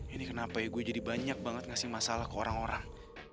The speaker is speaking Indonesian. ini kenapa ya gue jadi banyak banget ngasih masalah ke orang orang